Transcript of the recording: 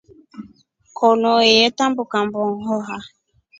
Konokone yetambuka mbongʼoha.